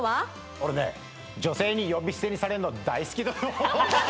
俺ね女性に呼び捨てにされるの大好きなの！